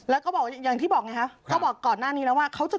แล้วก็บอกอย่างที่บอกไงครับก็บอกก่อนหน้านี้แล้วว่าเขาจะ